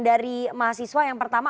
dari mahasiswa yang pertama